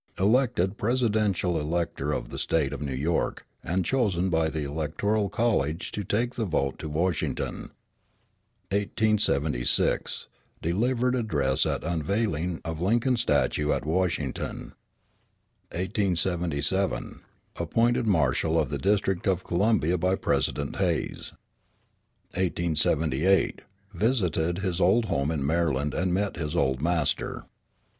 ] Elected presidential elector of the State of New York, and chosen by the electoral college to take the vote to Washington. 1876 Delivered address at unveiling of Lincoln statue at Washington. 1877 Appointed Marshal of the District of Columbia by President Hayes. 1878 Visited his old home in Maryland and met his old master.